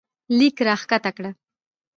لیک راښکته کړه